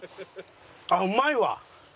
あっうまいわ！